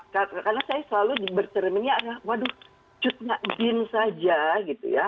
karena saya selalu bercerminnya waduh cutnya din saja gitu ya